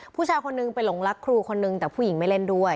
ผู้ชายคนนึงไปหลงรักครูคนนึงแต่ผู้หญิงไม่เล่นด้วย